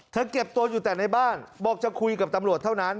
เก็บตัวอยู่แต่ในบ้านบอกจะคุยกับตำรวจเท่านั้น